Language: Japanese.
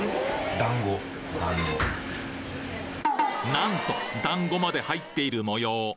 なんと団子まで入っている模様！